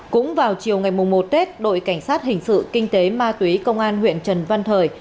cũng vào chiều ngày một tết đội cảnh sát hình sự kinh tế ma túy công an huyện trần văn thời